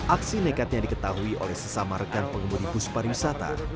aksi nekatnya diketahui oleh sesama rekan pengemudi bus pariwisata